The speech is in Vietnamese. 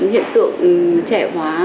hiện tượng trẻ hóa